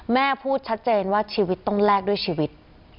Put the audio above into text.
แม่พูดชัดเจนว่าชีวิตต้องแลกด้วยชีวิต